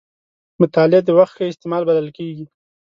مطالعه د وخت ښه استعمال بلل کېږي.